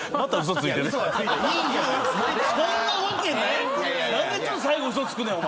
そんなわけない！